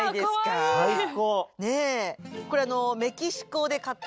最高！